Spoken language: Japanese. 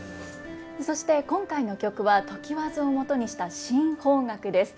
そして今回の曲は常磐津をもとにした新邦楽です。